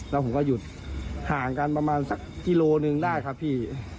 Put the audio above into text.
แล้วผมก็หยุดห่างกันประมาณสักกิโลหนึ่งได้ครับพี่